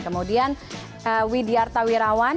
kemudian widyar tawirawan